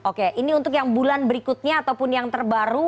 oke ini untuk yang bulan berikutnya ataupun yang terbaru